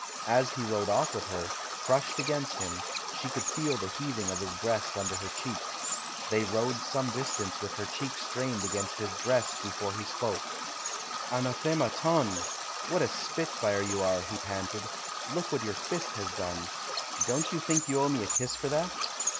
As he rode off with her, crushed against him, she could feel the heaving of his breast under her cheek. They rode some distance with her cheek strained against his breast before he spoke. THE CHILD IN THE GARDEN 171 ''Anathema ton! What a spitfire you are!" he panted. "Look what your fist has done ! Don't you think you owe me a kiss for that?"